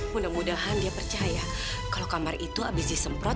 mudah mudahan dia percaya kalau kamar itu habis disemprot